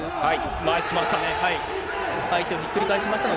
回しましたね。